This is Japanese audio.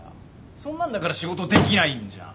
そんなんだから仕事できないんじゃん。